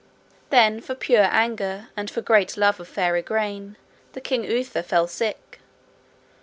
Then for pure anger and for great love of fair Igraine the king Uther fell sick.